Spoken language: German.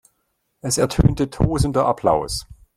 Es ertönte tosender Applaus.